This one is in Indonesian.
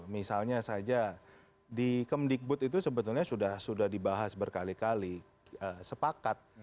misalnya saja di kemdikbud itu sebetulnya sudah dibahas berkali kali sepakat